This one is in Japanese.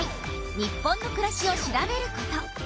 日本のくらしを調べること。